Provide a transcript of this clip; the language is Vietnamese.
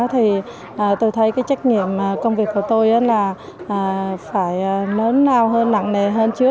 thì tôi thấy cái trách nhiệm công việc của tôi là phải lớn lao hơn nặng nề hơn trước